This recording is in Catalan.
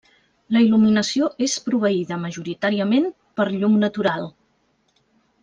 La il·luminació és proveïda majoritàriament per llum natural.